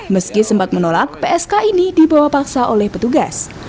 meski sempat menolak psk ini dibawa paksa oleh petugas